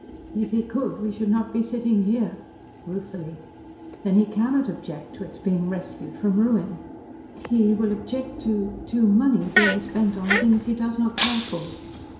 "If he could we should not be sitting here," ruefully. "Then he cannot object to its being rescued from ruin." "He will object to to money being spent on things he does not care for."